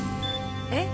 えっ？